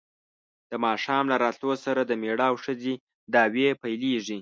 د ماښام له راتلو سره د مېړه او ښځې دعوې پیلېږي.